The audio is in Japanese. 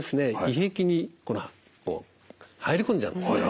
胃壁に入り込んじゃうんですね。